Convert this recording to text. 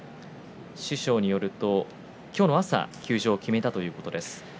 師匠によると今日の朝休場を決めたということです。